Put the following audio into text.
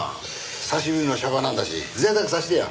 久しぶりの娑婆なんだし贅沢させてよ。